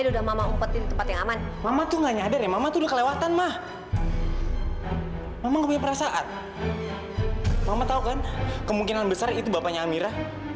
sampai jumpa di video selanjutnya